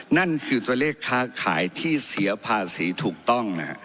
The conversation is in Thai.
นั่นคือตัวเลขค้าขายที่เสียภาษีถูกต้อง